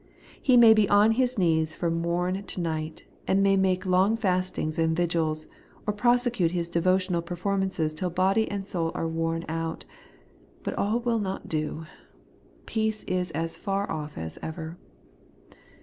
He may be on his knees from morn to night, and may make long fastings and vigils, or prosecute his devo tional performances till body and soul are worn out ; but aU will not do. Peace is as far oflf as ever.